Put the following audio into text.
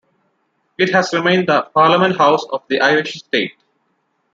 It has remained the parliament house of the Irish state.